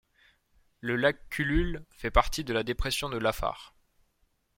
Le lac Kulul fait partie de la Dépression de l'Afar.